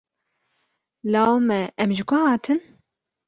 Law me em ji ku hatin?